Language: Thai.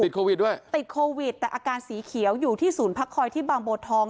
โควิดด้วยติดโควิดแต่อาการสีเขียวอยู่ที่ศูนย์พักคอยที่บางโบทอง